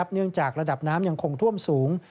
เนื่องจากระดับน้ำยังคงท่วมสูง